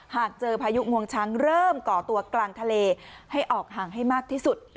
หากเจอพายุงวงช้างเริ่มก่อตัวกลางทะเลให้ออกห่างให้มากที่สุด